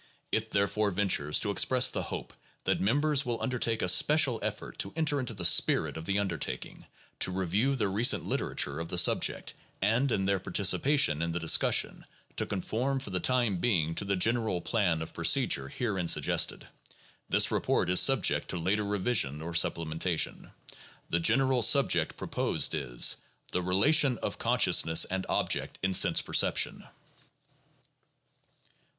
It therefore ventures to express the hope that members will make a special effort to enter into the spirit of the undertaking, to review the recent literature of the subject, and, in their participation in the discussion, to conform for the time being to the general plan of procedure herein suggested. This report is subject to later revision or supplementation. The general subject proposed is :" The Relation of Consciousness and Object in Sense Perception."